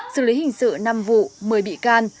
xử lý hình sự năm vụ một mươi bị can